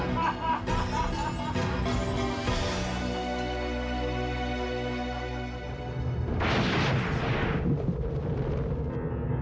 sudah udah siapa